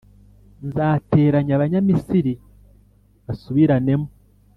Nzateranya Abanyamisiri basubiranemo,